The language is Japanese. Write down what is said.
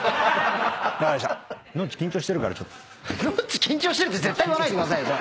「ノッチ緊張してる」って絶対言わないでくださいよ。